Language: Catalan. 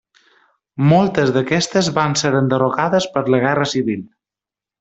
Moltes d'aquestes van ser enderrocades per la Guerra Civil.